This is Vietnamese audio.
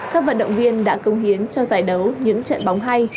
các vận động viên đã công hiến cho giải đấu những trận bóng hay